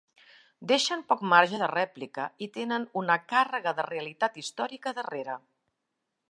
Deixen poc marge de rèplica i tenen una càrrega de realitat històrica darrere.